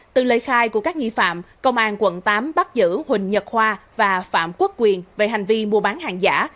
từ lời khai của các nghi phạm công an quận tám bắt giữ huỳnh nhật khoa và phạm quốc quyền về hành vi mua bán hàng giả